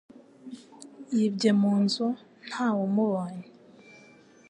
Yibye mu nzu ntawe umubonye